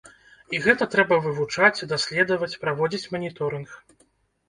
І гэта трэба вывучаць, даследаваць, праводзіць маніторынг.